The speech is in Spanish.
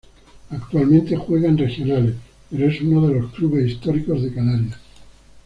Actualmente juega en Regionales, pero es uno de los clubes históricos de Canarias.